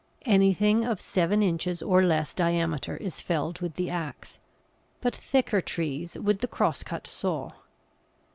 Anything of seven inches or less diameter is felled with the axe, but thicker trees with the cross cut saw.